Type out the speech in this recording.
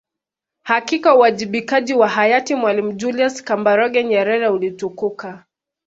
Hakika uwajibikaji wa hayati Mwalimu Julius Kambarage Nyerere ulitukuka